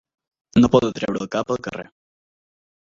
No poder treure el cap al carrer.